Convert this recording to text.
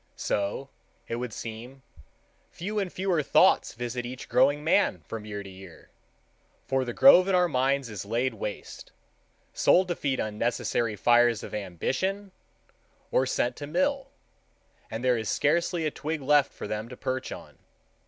So, it would seem, few and fewer thoughts visit each growing man from year to year, for the grove in our minds is laid waste,—sold to feed unnecessary fires of ambition, or sent to mill, and there is scarcely a twig left for them to perch on.